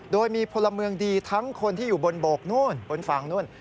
โดยมีพลเมืองดีทั้งคนที่อยู่บนโบกนู่นบนฝั่งนู้น